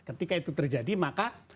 ketika itu terjadi maka